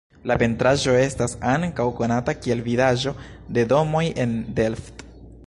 La pentraĵo estas ankaŭ konata kiel Vidaĵo de domoj en Delft.